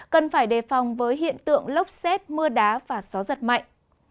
cần phải đề phòng với hiện tượng lốc xét mưa đá và gió giật mạnh